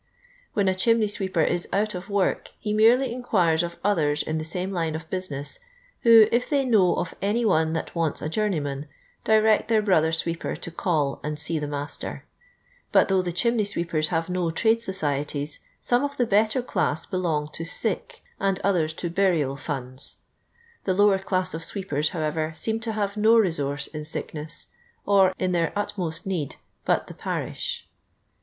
When a chimney sweeper is out of work he merely inquires of others in the sams line of busi ness, who, if they know of any one that wants a journeyman, direct their brother sweepi r to call and see the ma&ter; but though the chimney sweepers have no trade societies, some of the better class belong to sick, and others to burial, fuiidfl. The lower class of oweepers, however, seem to have no resource in sickness, or in their utmost need, but the parish.